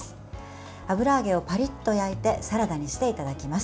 油揚げをパリッと焼いてサラダにしていただきます。